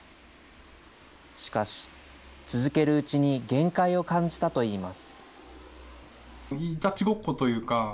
しかし、続けるうちに限界を感じたといいます。